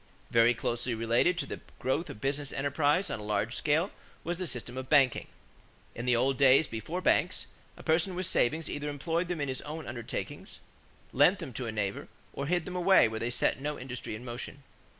= Very closely related to the growth of business enterprise on a large scale was the system of banking. In the old days before banks, a person with savings either employed them in his own undertakings, lent them to a neighbor, or hid them away where they set no industry in motion.